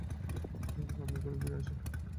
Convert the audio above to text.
বাতিল করে ফিরে এসো।